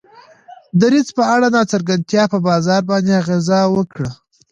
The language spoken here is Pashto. دریځ په اړه ناڅرګندتیا په بازار باندې اغیزه وکړه.